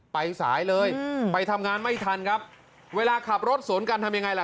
ไปสายเลยไปทำงานไม่ทันครับเวลาขับรถสวนกันทำยังไงล่ะ